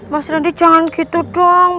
mas randy jangan gitu dong